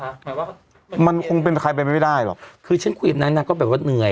แต่ว่ามันคงเป็นใครไปไม่ได้หรอกคือฉันคุยกับนางนางก็แบบว่าเหนื่อย